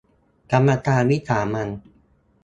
กรรมการวิสามัญ